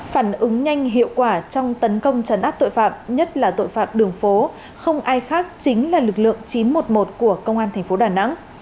phản ứng nhanh hiệu quả trong tấn công trấn áp tội phạm nhất là tội phạm đường phố không ai khác chính là lực lượng chín trăm một mươi một của công an thành phố đà nẵng